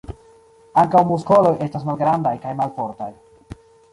Ankaŭ muskoloj estas malgrandaj kaj malfortaj.